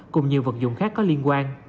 cùng nhiều vật dụng khác có liên quan